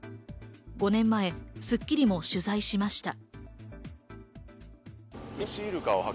５年前、『スッキリ』も取材しました。